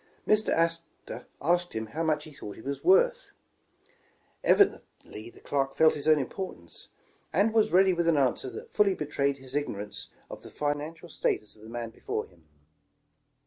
Mr. Astor asked him how much he thought he was worth. 124 Extending the Fur Trade '' Evidently the clerk felt his own importance, and was ready with an answer that fully betrayed his igno rance of the financial status of the man before him.